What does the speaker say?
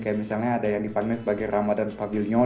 kayak misalnya ada yang dipanggil sebagai ramadan pavilion